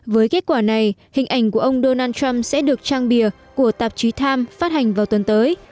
với kết quả này hình ảnh của ông donald trump sẽ được trang bịa của tạp chí times phát hành vào tuần tới